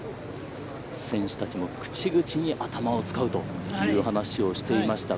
選手たちも口々に頭を使うという話をしていました